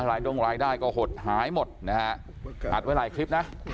ด้งรายได้ก็หดหายหมดนะฮะอัดไว้หลายคลิปนะ